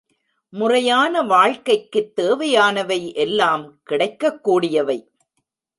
முறையான வாழ்க்கைக்குத் தேவையானவை எல்லாம் கிடைக்கக் கூடியவை.